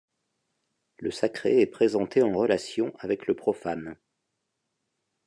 Le sacré est présenté en relation avec le profane.